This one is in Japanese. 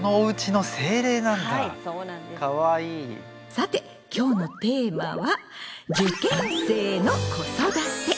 さて今日のテーマは「受験生の子育て」。